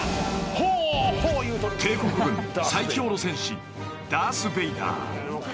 ［帝国軍最強の戦士ダース・ベイダー］